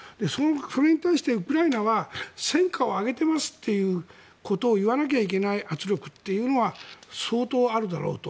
それに対して、ウクライナは戦果を上げてますということを言わなきゃいけない圧力というのは相当あるだろうと。